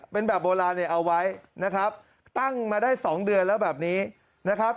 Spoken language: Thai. เป็นแบบโบราณเนี่ยเอาไว้นะครับตั้งมาได้สองเดือนแล้วแบบนี้นะครับ